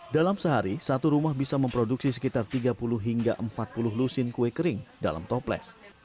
dalam sehari satu rumah bisa memproduksi sekitar tiga puluh hingga empat puluh lusin kue kering dalam toples